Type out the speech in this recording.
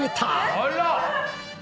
あら！